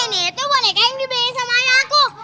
ini tuh boneka yang dibeli sama ayah aku